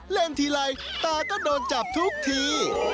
เล่นทีไรตาก็โดนจับทุกที